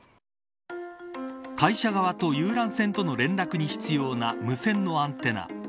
会社側と遊覧船との連絡に必要な無線のアンテナ。